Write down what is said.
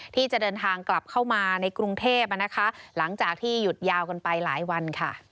ที่จะเดินทางกลับเข้ามาในกรุงเทพนะคะหลังจากที่หยุดยาวกันไปหลายวันค่ะ